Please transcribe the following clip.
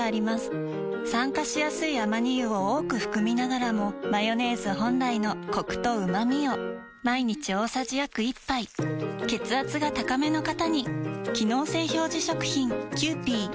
酸化しやすいアマニ油を多く含みながらもマヨネーズ本来のコクとうまみを毎日大さじ約１杯血圧が高めの方に機能性表示食品